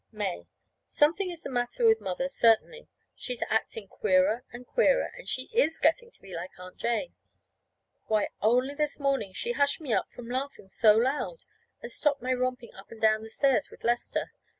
May. Something is the matter with Mother, certainly. She's acting queerer and queerer, and she is getting to be like Aunt Jane. Why, only this morning she hushed me up from laughing so loud, and stopped my romping up and down the stairs with Lester.